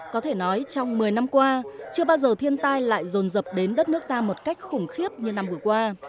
có thể nói trong một mươi năm qua chưa bao giờ thiên tai lại rồn dập đến đất nước ta một cách khủng khiếp như năm vừa qua